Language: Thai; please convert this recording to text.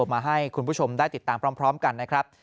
มาให้คุณผู้ชมได้ติดตามพร้อมกันนะครับ